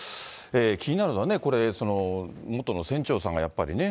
気になるのはね、これ、元の船長さんがやっぱりね。